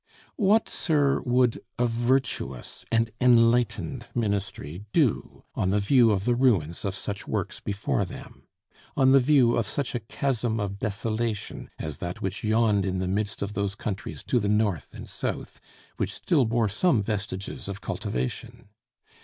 What, sir, would a virtuous and enlightened ministry do on the view of the ruins of such works before them? on the view of such a chasm of desolation as that which yawned in the midst of those countries to the north and south, which still bore some vestiges of cultivation?